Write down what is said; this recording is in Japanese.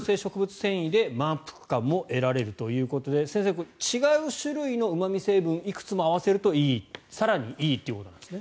繊維で満腹感も得られるということで先生、違う種類のうま味成分をいくつも合わせるといい更にいいということなんですね。